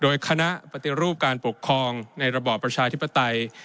โดยคณะปฏิรูปการปกครองในระบอบประชาธิปไตย